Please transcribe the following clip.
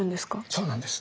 そうなんです。